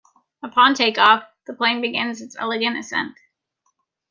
Upon take-off, the plane begins its elegant ascent.